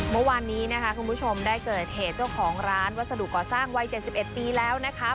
เมื่อวานนี้นะคะคุณผู้ชมได้เกิดเหตุเจ้าของร้านวัสดุก่อสร้างวัย๗๑ปีแล้วนะคะ